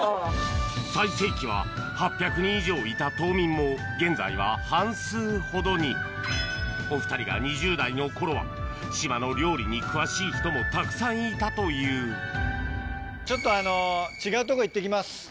最盛期は８００人以上いた島民も現在は半数ほどにお２人が２０代の頃は島の料理に詳しい人もたくさんいたというちょっとあの違うとこ行ってきます。